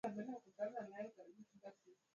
kubwa la hydrographic hulisha eneo lote na maelfu